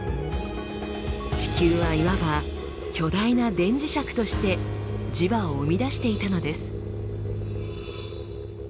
地球はいわば巨大な電磁石として磁場を生み出していたのです。